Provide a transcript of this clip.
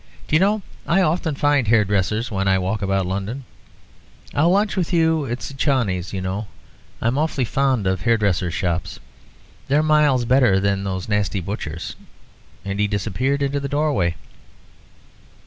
"Do you know, I often find hair dressers when I walk about London. I'll lunch with you at Cicconani's. You know, I'm awfully fond of hair dressers' shops. They're miles better than those nasty butchers'." And he disappeared into the doorway.